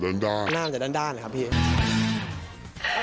คือจริงการแต่งตัวนี้นะ